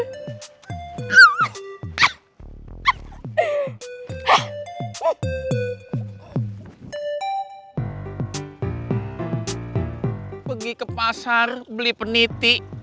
gigi aku mau ke pasar beli peniti